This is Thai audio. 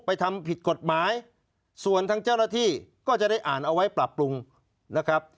ทำผิดกฎหมายส่วนทางเจ้าหน้าที่ก็จะได้อ่านเอาไว้ปรับปรุงนะครับ